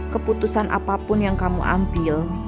keputusan apapun yang kamu ambil